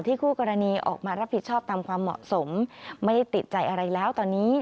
คู่กรณีออกมารับผิดชอบตามความเหมาะสมไม่ได้ติดใจอะไรแล้วตอนนี้